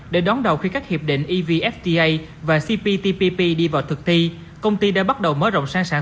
để đón đầu khi các hiệp định evfta và cptpp đi vào thực thi công ty đã bắt đầu mở rộng sang sản